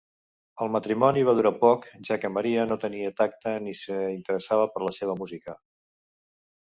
El matrimoni va durar poc, ja que Maria no tenia tacte ni s'interessava per la seva música.